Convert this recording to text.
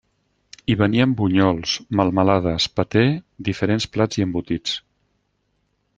Hi venien bunyols, melmelades, paté, diferents plats i embotits.